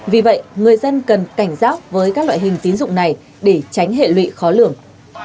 vì vậy người dân cần cảnh giác với các loại hình tín dụng này để tránh hệ lụy khó lường